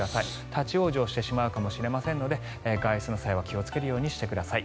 立ち往生してしまうかもしれませんので外出の際は気をつけてください。